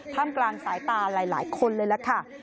กลางสายตาหลายคนเลยล่ะค่ะ